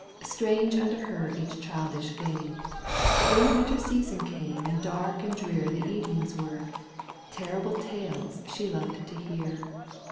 Strange unto her each childish game, But when the winter season came And dark and drear the evenings were, t Terrible tales she loved to hear.